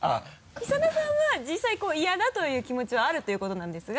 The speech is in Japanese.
久田さんは実際こう嫌だという気持ちはあるということなんですが。